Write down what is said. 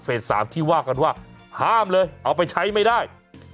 ๓ที่ว่ากันว่าห้ามเลยเอาไปใช้ไม่ได้